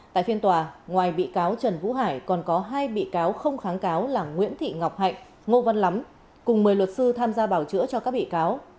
tại phiên tòa ngoài bị cáo trần vũ hải còn có hai bị cáo không kháng cáo là nguyễn thị ngọc hạnh ngô văn lắm cùng một mươi luật sư tham gia bảo chữa cho các bị cáo